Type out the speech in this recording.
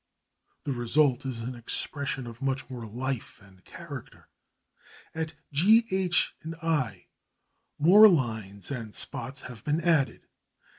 The result is an expression of much more life and character. At G, H, I more lines and spots have been added.